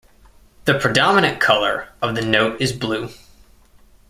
The predominant colour of the note is blue.